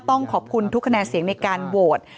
ต้องขอบคุณทุกคะแนนเสียงในการโหวต